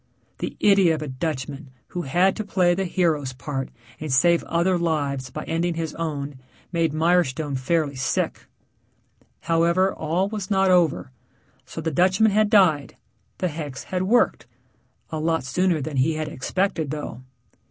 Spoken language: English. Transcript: The idiot of a Dutchman who had to play the hero's part and save other lives by ending his own made Mirestone fairly sick. However, all was not over. So the Dutchman had died; the hex had worked a lot sooner than he had expected though.